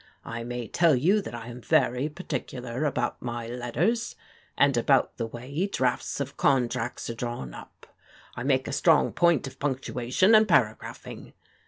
I Tnay tell you that I am very particular about my letters, and about the way drafts of contracts are drawn up. I make a strong point of punctuation and paragraphing.